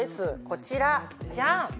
こちらジャン！